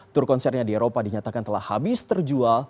tur konsernya di eropa dinyatakan telah habis terjual